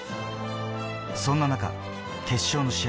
そんな中、決勝の試合